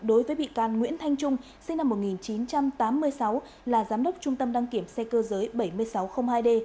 đối với bị can nguyễn thanh trung sinh năm một nghìn chín trăm tám mươi sáu là giám đốc trung tâm đăng kiểm xe cơ giới bảy nghìn sáu trăm linh hai d